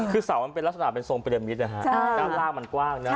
คือเสามันเป็นลักษณะเป็นทรงประเดิมมิตรนะฮะด้านล่างมันกว้างนะ